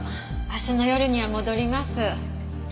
明日の夜には戻ります。